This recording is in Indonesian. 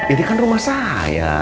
ini kan rumah saya